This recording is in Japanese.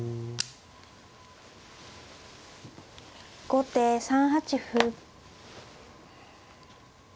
後手３八歩。